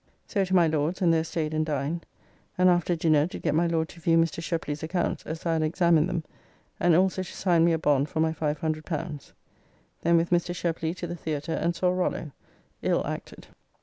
So to my Lord's, and there staid and dined, and after dinner did get my Lord to view Mr. Shepley's accounts as I had examined them, and also to sign me a bond for my L500. Then with Mr. Shepley to the Theatre and saw "Rollo" ill acted.